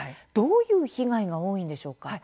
どういう被害が多いんでしょうか。